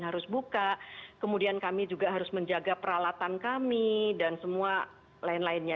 harus buka kemudian kami juga harus menjaga peralatan kami dan semua lain lainnya